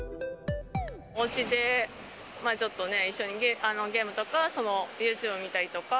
おうちでちょっとね、一緒にゲームとか、ユーチューブを見たりとか。